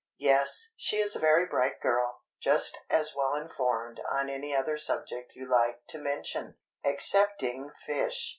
Yes, she is a very bright girl, just as well informed on any other subject you like to mention—excepting fish!